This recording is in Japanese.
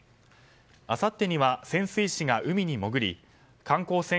あさってには潜水士が海に戻り観光船